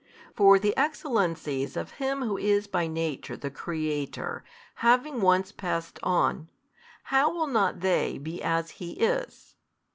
For the Excellencies of Him Who is by Nature the Creator having once passed on, how will not they be as He is?